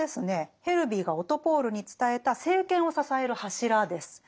ヘルヴィーがオトポール！に伝えた政権を支える柱です。